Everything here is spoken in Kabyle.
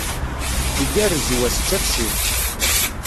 Igerrez wass d tafsut.